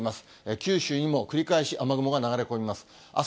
九州にも繰り返し、雨雲が流れ込みます。